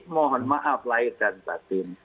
mohon maaf lahir dan batin